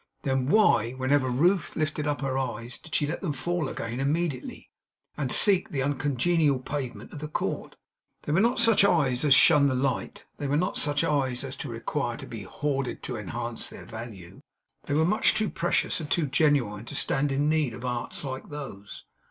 Then why, whenever Ruth lifted up her eyes, did she let them fall again immediately, and seek the uncongenial pavement of the court? They were not such eyes as shun the light; they were not such eyes as require to be hoarded to enhance their value. They were much too precious and too genuine to stand in need of arts like those.